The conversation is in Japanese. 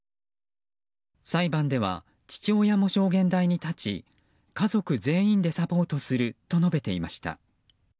裁判では、父親も証言台に立ち家族全員でサポートすると述べていました。